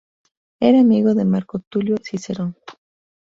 Era amigo de Marco Tulio Cicerón.